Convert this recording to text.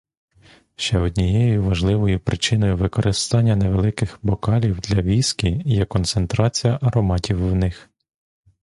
Ще однією важливою причиною використання невеликих бокалів для віскі є концентрація ароматів в них.